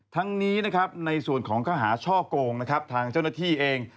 ทั้งนี้ในส่วนของเขาหาช่อโกงทางเจ้าหน้าที่เอง